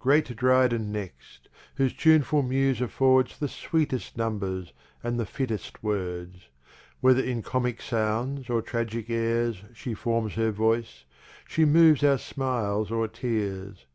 Great Dryden next! whose Tuneful Muse affords The sweetest Numbers, and the fittest words. Whether in Comick sounds or Tragick Airs She form's her voice, she moves our Smiles or Tears.